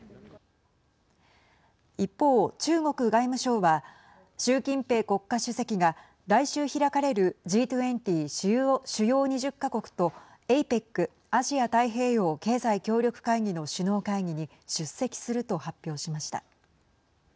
一方中国外務省は習近平国家主席が来週開かれるＧ２０＝主要２０か国とＡＰＥＣ＝アジア太平洋経済協力会議の首脳会議に出席すると発表しました。